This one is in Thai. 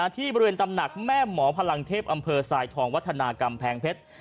ที่บริเวณตำหนักแม่หมอพลังเทพอำเภอทรายทองวัฒนากำแพงเพชร